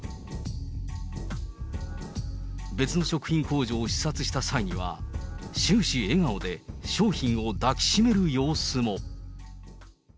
別の食品工場を視察した際には、終始笑顔で、商品を抱き締める様子も。